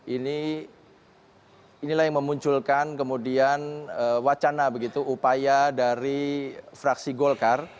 ini inilah yang memunculkan kemudian wacana begitu upaya dari fraksi golkar